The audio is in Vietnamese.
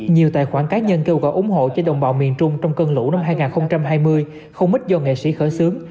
nhiều tài khoản cá nhân kêu gọi ủng hộ cho đồng bào miền trung trong cơn lũ năm hai nghìn hai mươi không ít do nghệ sĩ khởi xướng